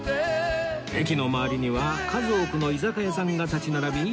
駅の周りには数多くの居酒屋さんが立ち並び